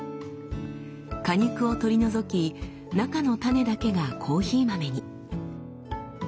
果肉を取り除き中の種だけがコーヒー豆に。